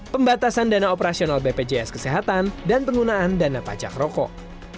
pembatasan dana operasional bpjs kesehatan dan penggunaan dana pajak rokok